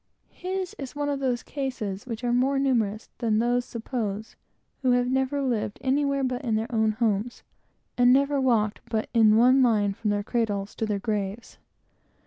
His is one of those cases which are more numerous than those suppose, who have never lived anywhere but in their own homes, and never walked but in one line from their cradles to their graves.